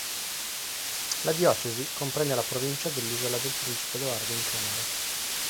La diocesi comprende la provincia dell'Isola del Principe Edoardo in Canada.